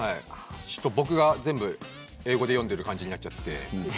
僕が全部、英語で読んでいる感じになっちゃって。